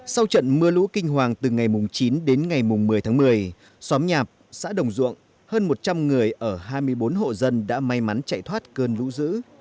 sau trận mưa lũ kinh hoàng từ ngày chín đến ngày một mươi tháng một mươi xóm nhạp xã đồng duộng hơn một trăm linh người ở hai mươi bốn hộ dân đã may mắn chạy thoát cơn lũ dữ